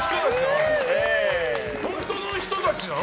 本当の人たちなの？